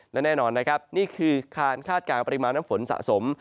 และแน่นอนนะครับนี่คือการคาดการณ์ปริมาณน้ำฝนสะสม